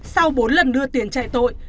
sau bốn lần đưa tiền chạy tội